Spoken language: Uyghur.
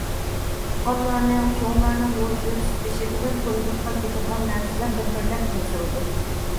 تۇغقانلارنىڭ، چوڭلارنىڭ يول كۆرسىتىشى بىلەن تويلۇققا كېتىدىغان نەرسىلەر بىر- بىرلەپ يېزىلىدۇ.